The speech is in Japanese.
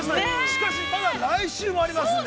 しかし、まだ来週もありますんで。